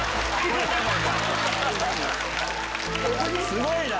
すごいな！